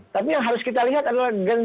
tapi yang harus kita lihat adalah